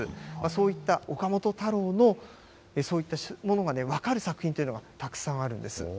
そういった岡本太郎の、そういったものが分かる作品というのが、たくさんあるんです。